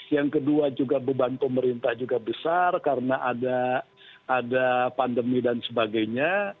yang kedua juga beban pemerintah juga besar karena ada pandemi dan sebagainya